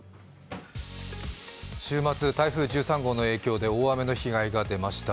週末、台風１３号の影響で大雨の被害が出ました。